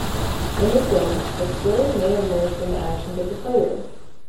In "The Sims", a story may emerge from the actions of the player.